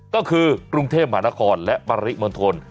ก็คือกรุงเทพมหานครและปริมณฑล